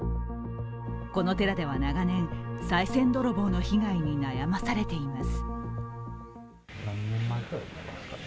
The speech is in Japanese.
この寺では長年、さい銭泥棒の被害に悩まされています。